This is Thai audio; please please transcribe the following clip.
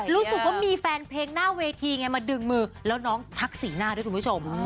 รู้สึกว่ามีแฟนเพลงหน้าเวทีไงมาดึงมือแล้วน้องชักสีหน้าด้วยคุณผู้ชม